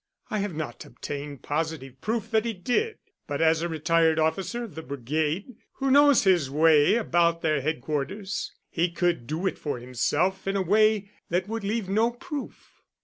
"I have not obtained positive proof that he did. But as a retired officer of the Brigade, who knows his way about their headquarters, he could do it for himself in a way that would leave no proof."